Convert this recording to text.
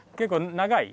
長い。